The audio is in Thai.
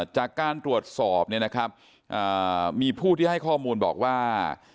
จากการตรวจสอบมีผู้ที่ให้ข้อมูลบอกว่า